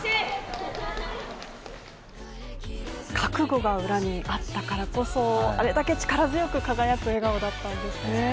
覚悟が裏にあったからこそ、あれだけ力強く輝く笑顔だったんですね。